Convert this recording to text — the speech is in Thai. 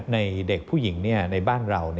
เด็กผู้หญิงในบ้านเรา